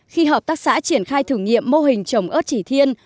khi hợp tác xã triển khai thử nghiệm mô hình trồng ớt chỉ thiên